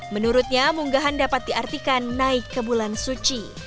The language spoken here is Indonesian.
menurutnya munggahan dapat diartikan naik ke bulan suci